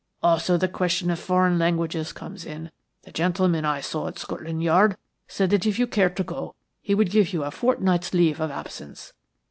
Also the question of foreign languages comes in. The gentleman I saw at Scotland Yard said that if you cared to go he would give you a fortnight's leave of absence."